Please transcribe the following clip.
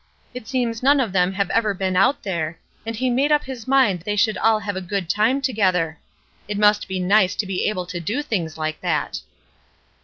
It seems none of them have ever been out there, and he made up his mind they should all have a good time together. It must be nice to be able to do things hke that."